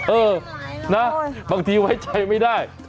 เออนะบางทีไว้ใจไม่ได้